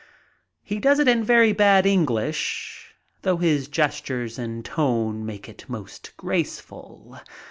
He does it in very bad English, though his gestures and tone make it most graceful.